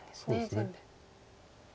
全部。